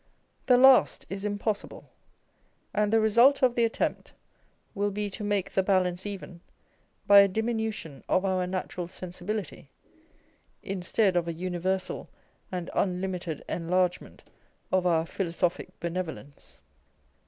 The last is impossible : and the result of the attempt will be to make the balance even by a diminution of our natural sensibility, instead of a universal and unlimited enlargement of our philosophic benevolence.